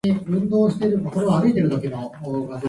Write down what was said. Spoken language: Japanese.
僕のこと殺す気ですか